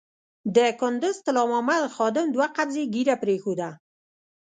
د کندز طلا محمد خادم دوه قبضې ږیره پرېښوده.